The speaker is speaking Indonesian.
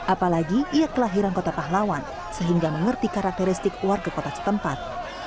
apalagi ia kelahiran kota pahlawan sehingga mengerti karakteristik warga kota setempat